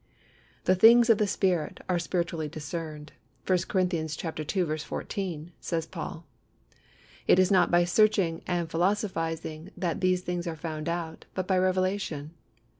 "The things of the Spirit... are spiritually discerned" (I Cor. ii. 14), says Paul. It is not by searching and philosophising that these things are found out, but by revelation.